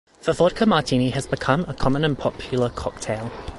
The vodka martini has become a common and popular cocktail.